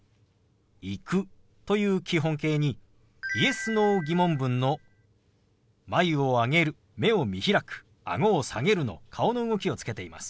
「行く」という基本形にＹｅｓ−Ｎｏ疑問文の眉を上げる目を見開くあごを下げるの顔の動きをつけています。